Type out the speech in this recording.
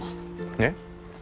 えっ？